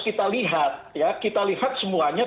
kita lihat ya kita lihat semuanya